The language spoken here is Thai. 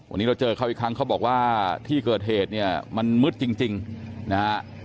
วันนี้เราเจอเขาอีกครั้งเขาบอกว่าที่เกิดเหตุเนี่ยมันมืดจริงนะฮะ